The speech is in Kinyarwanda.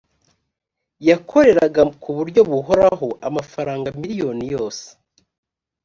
yakoreraga ku buryo buhoraho amafaranga miliyoni yose